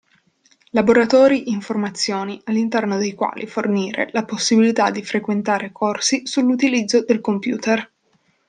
Laboratori informazioni all'interno dei quali fornire la possibilità di frequentare corsi sull'utilizzo del computer.